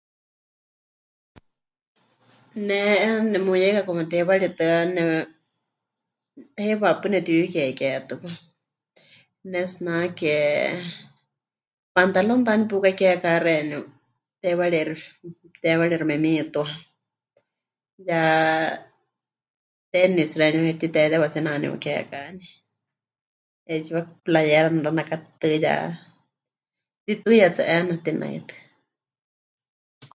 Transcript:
Ne 'eena nemuyeika como teiwaritɨ́a ne heiwa paɨ nepɨtiuyukeketɨwa, pɨnetsinake, pantalónta nepukakeeká xeeníu teiwarixi, teiwarixi memitua, ya tenis xeeníu mɨtitetewatsie naneukeekani, 'eetsiwa playera neranakatɨtɨ́ ya mɨtituiya tsɨ 'eena tinaime.